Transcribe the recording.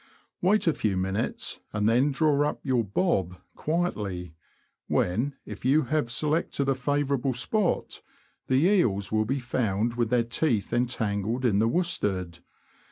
Wait a few minutes, and then draw up your ^^bob" quietly, when, if you have selected a favourable spot, the eels will be found with their teeth entangled in the worsted.